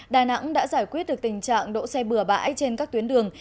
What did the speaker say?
đà nẵng đã giải quyết được tình trạng đỗ xe bừa bãi trên các tuyến đường